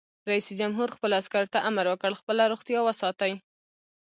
رئیس جمهور خپلو عسکرو ته امر وکړ؛ خپله روغتیا وساتئ!